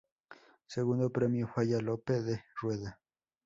Segundo premio: Falla Lope de Rueda.